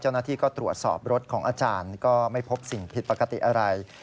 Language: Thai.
เจ้าหน้าที่ก็ตรวจสอบรถของอาจารย์ก็ไม่พบสิ่งผิดปกติอะไร